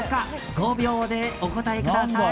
５秒でお答えください。